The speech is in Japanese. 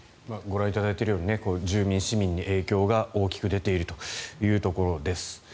ご覧いただいてるように住民、市民に影響が大きく出ているというところです。